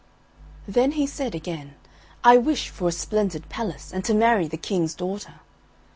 Then he said again, "I wish for a splendid palace, and to marry the King's daughter."